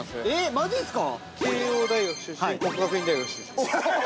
◆マジっすか。